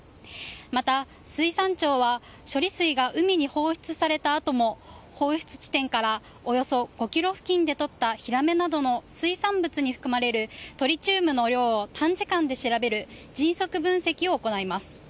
また水産庁は処理水が海に放出されたあとも放出地点からおよそ５ｋｍ付近でとったヒラメなどの水産物に含まれるトリチウムの量を短時間で調べる迅速分析を行います。